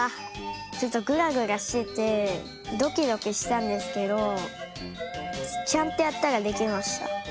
ちょっとグラグラしててドキドキしたんですけどちゃんとやったらできました。